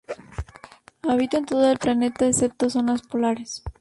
Habita en todo el planeta, excepto zonas polares.